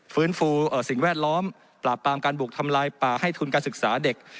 ฟื้นฟูสิ่งแวดล้อมปราบปรามการบุกทำลายป่าให้ทุนการศึกษาเด็ก